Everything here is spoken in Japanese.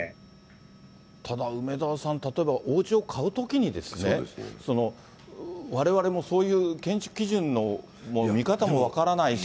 ただ、梅沢さん、おうちを買うときにですね、われわれもそういう建築基準の見方も分からないし。